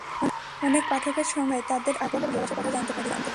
অনেক পাঠকের সঙ্গে কথা হয়, তাঁদের আগ্রহ, ভালোবাসার কথা জানতে পারি।